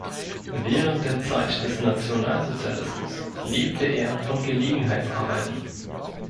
Während der Zeit des Nationalsozialismus lebte er von Gelegenheitsarbeiten.